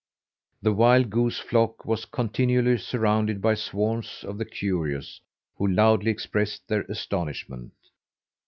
The wild goose flock was continually surrounded by swarms of the curious who loudly expressed their astonishment.